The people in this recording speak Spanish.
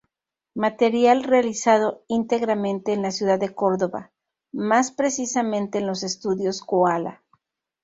Material realizado íntegramente en la ciudad de Córdoba, más precisamente en los Estudios Koala.